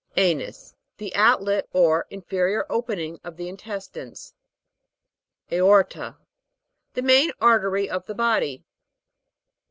A'NUS. The outlet or inferior open ing of the intestines. AOR'TA. The main artery of the body.